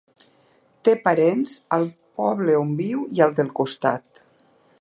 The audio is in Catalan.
Té parents al poble on viu i al del costat.